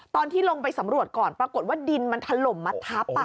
ตอนที่ลงไปสำรวจก่อนปรากฏว่าดินมันถล่มมาทับ